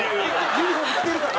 ユニホーム着てるから？